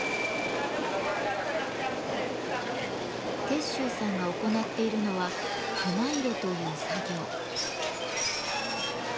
鉄舟さんが行っているのはコマ入れという作業。